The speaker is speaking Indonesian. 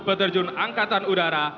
dan empat peterjun angkatan udara